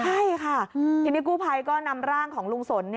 ใช่ค่ะทีนี้กู้ภัยก็นำร่างของลุงสน